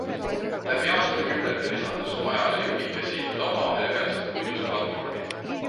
Läbi aastakümnete lisandus majale jupikesi, mida omavahel ühendasid puidust platvormid.